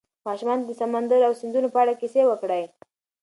ماشومانو ته د سمندر او سیندونو په اړه کیسې وکړئ.